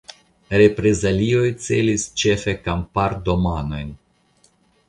Reprezalioj celis ĉefe kampardomanojn.